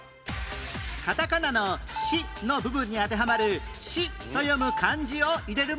カタカナの「シ」の部分に当てはまる「シ」と読む漢字を入れる問題